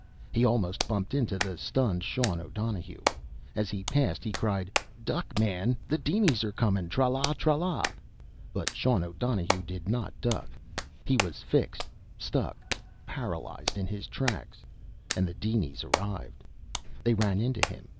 He almost bumped into the stunned Sean O'Donohue. As he passed, he cried: "Duck, man! The dinies are comin' tra la, tra la!" But Sean O'Donohue did not duck. He was fixed, stuck, paralyzed in his tracks. And the dinies arrived. They ran into him.